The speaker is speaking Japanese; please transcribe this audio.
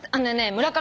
村上！」